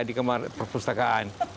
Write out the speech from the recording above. di kamar perpustakaan